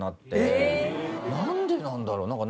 なんでなんだろう？